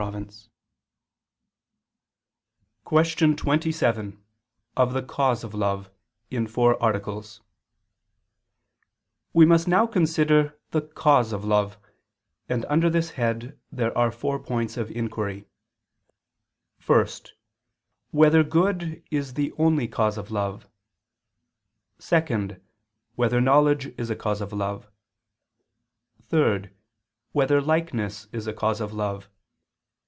________________________ QUESTION 27 OF THE CAUSE OF LOVE (In Four Articles) We must now consider the cause of love: and under this head there are four points of inquiry: (1) Whether good is the only cause of love? (2) Whether knowledge is a cause of love? (3) Whether likeness is a cause of love?